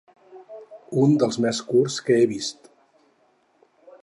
Un dels més curts que he vist.